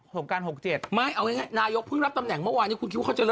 แต่เมื่อกี้แม่บอกว่าเก่านโสงการ